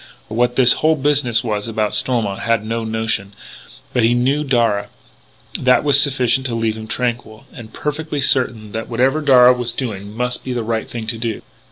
What this whole business was about Stormont had no notion. But he knew Darragh. That was sufficient to leave him tranquil, and perfectly certain that whatever Darragh was doing must be the right thing to do.